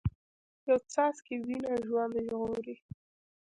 یو څاڅکی وینه ژوند ژغوري